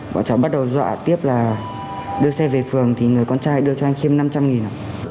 bọn cháu bắt đầu dọa tiếp là đưa xe về phường thì người con trai đưa cho anh chiêm năm trăm linh ạ